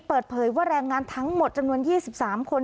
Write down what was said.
เปิดเผยว่าแรงงานทั้งหมดจำนวน๒๓คน